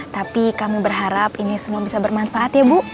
tapi kami berharap ini semua bisa bermanfaat ya bu